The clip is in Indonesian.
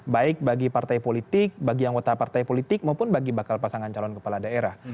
baik bagi partai politik bagi anggota partai politik maupun bagi bakal pasangan calon kepala daerah